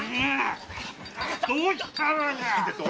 どうしたのじゃ？